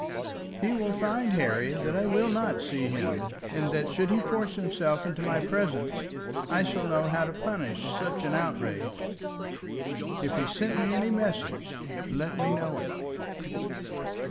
"He will find, Harry, that I will not see him; and that should he force himself into my presence, I shall know how to punish such an outrage. If he sent me any message, let me know it."